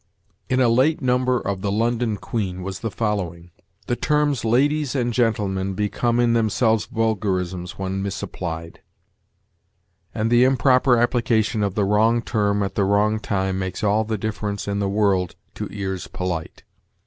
In a late number of the "London Queen" was the following: "The terms ladies and gentlemen become in themselves vulgarisms when misapplied, and the improper application of the wrong term at the wrong time makes all the difference in the world to ears polite.